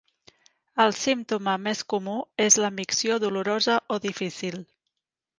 El símptoma més comú és la micció dolorosa o difícil.